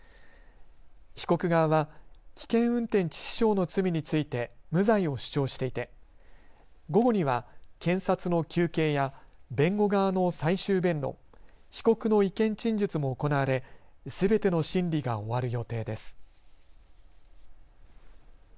被告側は危険運転致死傷の罪について無罪を主張していて午後には検察の求刑や弁護側の最終弁論、被告の意見陳述も行われすべての審理が終わる予定です。